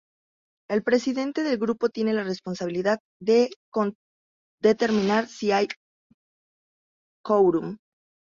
El presidente del grupo tiene la responsabilidad de determinar si hay cuórum.